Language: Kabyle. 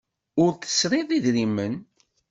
Ur tesriḍ idrimen.